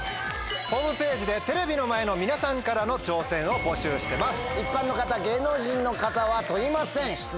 ホームページでテレビの前の皆さんからの挑戦を募集してます。